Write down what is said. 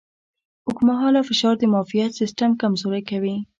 اوږدمهاله فشار د معافیت سیستم کمزوری کوي.